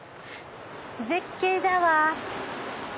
絶景だわ。